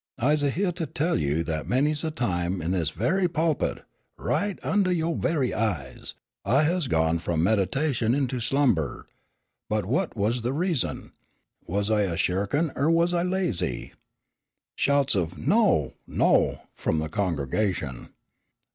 I's a hyeah to tell you that many's the time in this very pulpit, right under yo' very eyes, I has gone f'om meditation into slumber. But what was the reason? Was I a shirkin' er was I lazy?" Shouts of "No! No!" from the congregation.